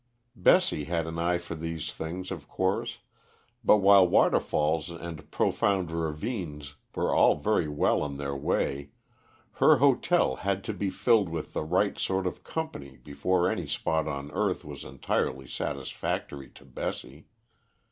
Bessie had an eye for these things, of course, but while waterfalls and profound ravines were all very well in their way, her hotel had to be filled with the right sort of company before any spot on earth was entirely satisfactory to Bessie.